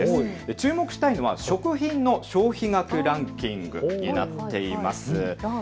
注目したいのは食品の消費額ランキングになっています。